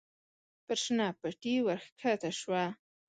پر شنه پټي ور کښته شوه.